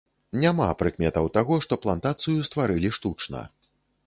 Няма прыкметаў таго, што плантацыю стварылі штучна.